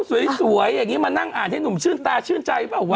สวยอย่างนี้มานั่งอ่านให้หนุ่มชื่นตาชื่นใจเปล่าวะ